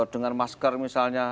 dengan masker misalnya